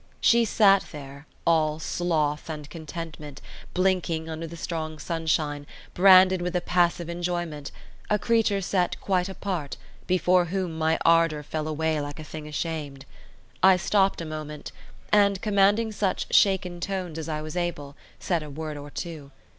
She sat there, all sloth and contentment, blinking under the strong sunshine, branded with a passive enjoyment, a creature set quite apart, before whom my ardour fell away like a thing ashamed. I stopped a moment, and, commanding such shaken tones as I was able, said a word or two.